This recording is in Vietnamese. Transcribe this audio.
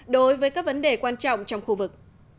đối với các vấn đề quan trọng trong khu vực